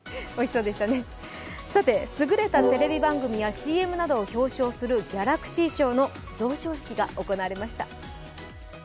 優れたテレビ番組やＣＭなどを表彰するギャラクシー賞の贈賞式が行われました。